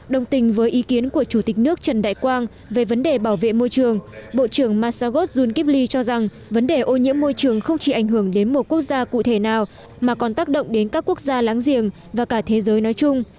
đồng tình với ý kiến của chủ tịch nước trần đại quang về vấn đề bảo vệ môi trường bộ trưởng masagos junkip ly cho rằng vấn đề ô nhiễm môi trường không chỉ ảnh hưởng đến một quốc gia cụ thể nào mà còn tác động đến các quốc gia láng giềng và cả thế giới nói chung